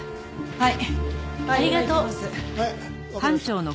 はい。